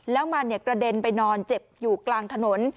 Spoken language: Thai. แล้วมันกระเด็นไปนอนเจ็บอยู่กลางถนน